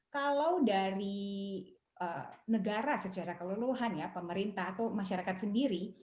kalau dari negara secara keluluhan ya pemerintah atau masyarakat sendiri